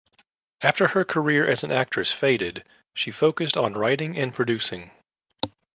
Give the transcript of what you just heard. After her career as an actress faded, she focused on writing and producing.